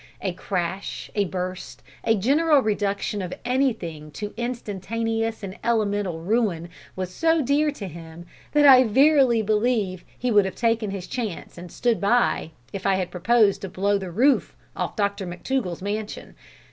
A crash, a burst, a general reduction of anything to instantaneous and elemental ruin, was so dear to him that I verily believe he would have taken his chance, and stood by, if I had proposed to blow the roof off Dr McTougall's mansion.